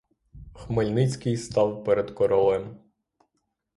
Хмельницький став перед королем.